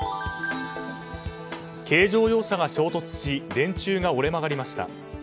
軽乗用車が衝突し電柱が折れ曲がりました。